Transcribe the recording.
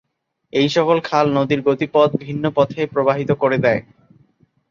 এইসকল খাল নদীর গতিপথ ভিন্ন পথে প্রবাহিত করে দেয়।